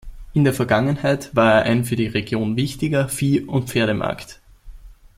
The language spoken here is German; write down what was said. In der Vergangenheit war er ein für die Region wichtiger Vieh- und Pferdemarkt.